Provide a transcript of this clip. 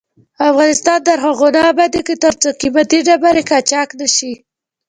افغانستان تر هغو نه ابادیږي، ترڅو قیمتي ډبرې قاچاق نشي.